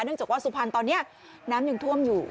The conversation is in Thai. เนื่องจากว่าสุพรรณตอนเนี่ยน้ำยังท่วมอยู่